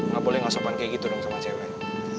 gak boleh ngasapan kayak gitu dong sama cewek